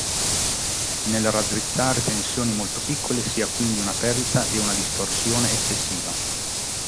Nel raddrizzare tensioni molto piccole si ha quindi una perdita e una distorsione eccessiva.